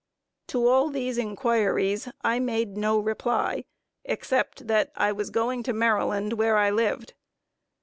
To all these inquiries I made no reply, except that I was going to Maryland, where I lived.